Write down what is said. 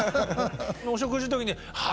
お食事の時にああ